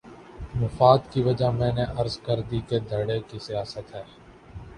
مفاد کی وجہ میں نے عرض کر دی کہ دھڑے کی سیاست ہے۔